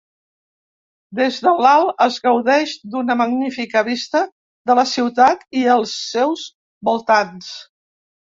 Des de l'alt es gaudeix d'una magnífica vista de la ciutat i els seus voltants.